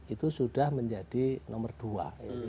itu sudah menjadi nomor dua